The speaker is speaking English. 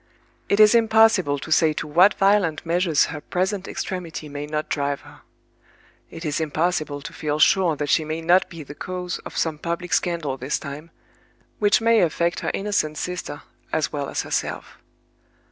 It is impossible to say to what violent measures her present extremity may not drive her. It is impossible to feel sure that she may not be the cause of some public scandal this time, which may affect her innocent sister as well as herself.